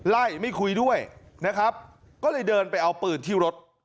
ไม่คุยด้วยนะครับก็เลยเดินไปเอาปืนที่รถ